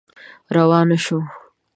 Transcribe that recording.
روانه شوه.